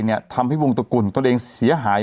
เนี่ยทำให้วงตกุลตนเองเสียหาย